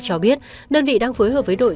cho biết đơn vị đang phối hợp với đội